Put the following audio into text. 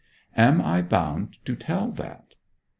'Am I bound to tell that?'